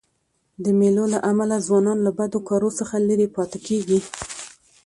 د مېلو له امله ځوانان له بدو کارو څخه ليري پاته کېږي.